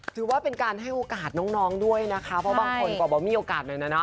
ถือว่าเป็นการให้โอกาสน้องด้วยนะคะเพราะบางคนก็บอกมีโอกาสหน่อยนะเนา